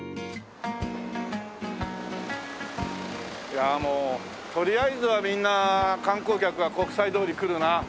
いやあもうとりあえずはみんな観光客は国際通り来るな。